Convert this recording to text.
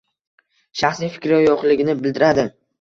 shaxsiy fikri yo‘qligini bildiradi.